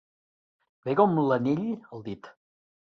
Ve com l'anell al dit.